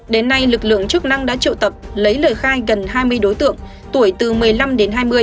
đến nay lực lượng chức năng đã triệu tập lấy lời khai gần hai mươi đối tượng tuổi từ một mươi năm đến hai mươi